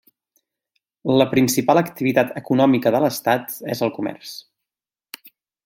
La principal activitat econòmica de l'estat és el comerç.